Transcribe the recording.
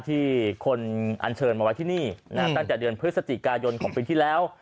ที่คนอันเชิญมาไว้ที่นี่ตั้งแต่เดือนพฤศจิกายนของปีที่แล้ว